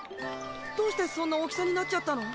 どうしてそんな大きさになっちゃったの？